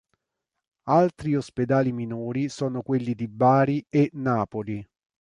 Altri ospedali minori sono quelli di Bari e Napoli.